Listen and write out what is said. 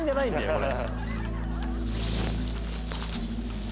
これ。